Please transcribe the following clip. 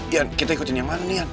yan kita ikutin yang mana nih yan